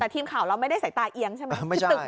แต่ทีมข่าวเราไม่ได้สายตาเอียงใช่ไหม